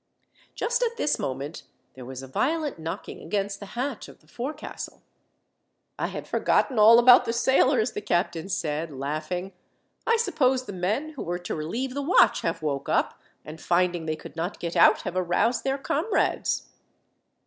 Just at this moment there was a violent knocking against the hatch of the forecastle. "I had forgotten all about the sailors," the captain said, laughing. "I suppose the men who were to relieve the watch have woke up, and finding they could not get out, have aroused their comrades."